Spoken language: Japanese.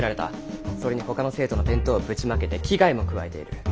それにほかの生徒の弁当をぶちまけて危害も加えている。